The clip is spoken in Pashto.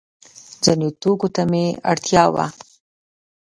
ځینو توکو ته مې اړتیا وه.